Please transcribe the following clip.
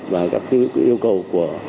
và các yêu cầu của